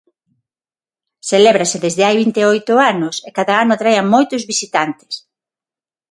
Celébrase desde hai vinte e oito anos e cada ano atrae a moitos visitantes.